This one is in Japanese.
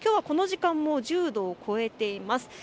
この時間も１０度を超えています。